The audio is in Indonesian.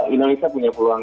indonesia punya peluang